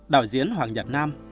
đạo diễn hoàng nhật nam